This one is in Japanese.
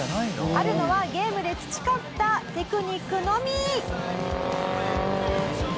あるのはゲームで培ったテクニックのみ！